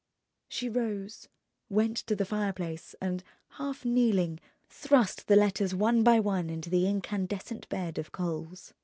She rose, went to the fireplace and, half kneeling, thrust the letters one by one into the incandescent bed of coals.